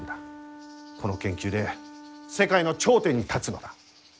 この研究で世界の頂点に立つのだ。